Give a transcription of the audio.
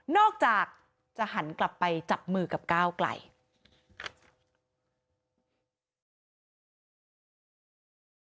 จากจะหันกลับไปจับมือกับก้าวไกล